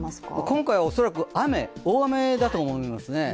今回は恐らく大雨だと思いますね。